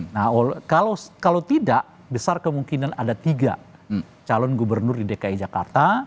nah kalau tidak besar kemungkinan ada tiga calon gubernur di dki jakarta